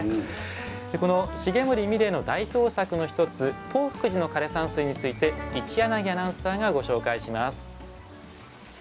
この重森三玲の代表作の一つ東福寺の枯山水について一柳アナウンサーがご紹介します。